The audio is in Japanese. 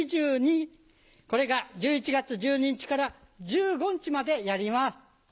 これが１１月１２日から１５日までやります。